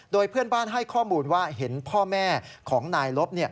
โดยเพื่อนบ้านให้ข้อมูลว่าเห็นพ่อแม่ของนายลบ